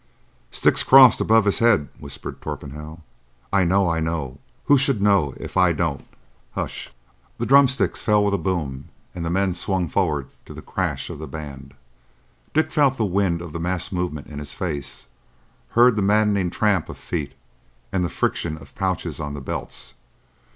"Sticks crossed above his head," whispered Torpenhow. "I know. I know! Who should know if I don't? H'sh!" The drum sticks fell with a boom, and the men swung forward to the crash of the band. Dick felt the wind of the massed movement in his face, heard the maddening tramp of feet and the friction of the pouches on the belts.